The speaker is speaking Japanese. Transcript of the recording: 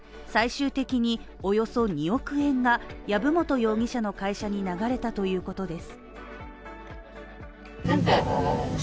最終的におよそ２億円が藪本容疑者の会社に流れたということです。